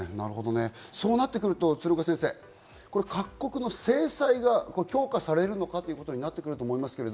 そうなると鶴岡先生、各国の制裁が強化されるのかということになってくると思います。